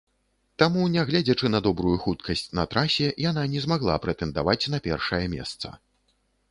Таму, нягледзячы на добрую хуткасць на трасе, яна не змагла прэтэндаваць на першае месца.